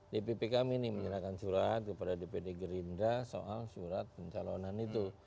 dpp kami ini menyerahkan surat kepada dpd gerindra soal surat pencalonan itu